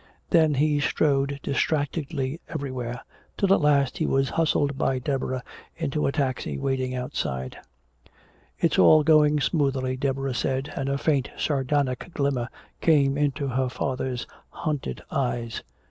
Then he strode distractedly everywhere, till at last he was hustled by Deborah into a taxi waiting outside. "It's all going so smoothly," Deborah said, and a faint sardonic glimmer came into her father's hunted eyes.